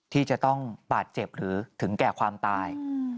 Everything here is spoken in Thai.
ที่จะต้องบาดเจ็บหรือถึงแก่ความตาย